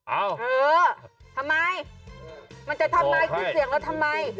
เออทำไมมันจะทำไมขึ้นเสียงแล้วทำไม